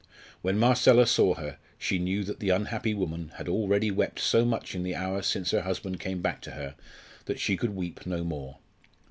When Marcella saw her, she knew that the unhappy woman had already wept so much in the hours since her husband came back to her that she could weep no more.